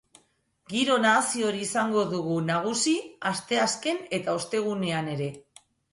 Giro nahasi hori izango dugu nagusi asteazken eta ostegunean ere.